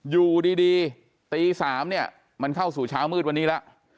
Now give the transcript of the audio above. อยู่ดีตี๓เนี่ยมันเข้าสู่เช้ามืดวันนี้แล้ว